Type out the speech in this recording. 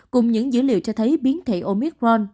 cùng những dữ liệu cho thấy biến thể omicron